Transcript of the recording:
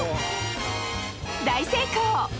大成功！